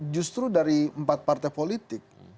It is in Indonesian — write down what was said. justru dari empat partai politik